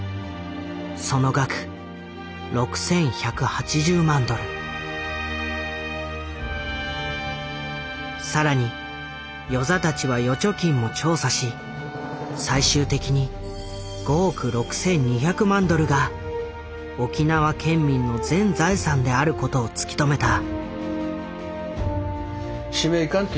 その額さらに與座たちは預貯金も調査し最終的に５億６，２００万ドルが沖縄県民の全財産であることを突き止めた。